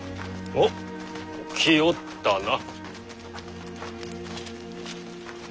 おっ来おったな。